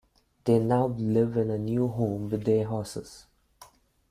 They now live in a new home with their horses.